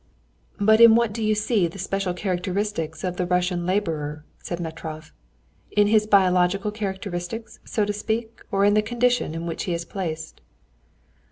"But in what do you see the special characteristics of the Russian laborer?" said Metrov; "in his biological characteristics, so to speak, or in the condition in which he is placed?"